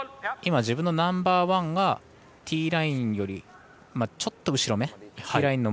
自分のナンバーワンがティーラインよりちょっと後ろめぐらい。